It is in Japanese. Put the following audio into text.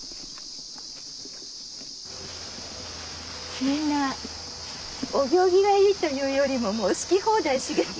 みんなお行儀がいいというよりももう好き放題茂ってる。